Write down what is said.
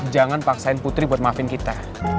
jangan paksain putri buat maafin kita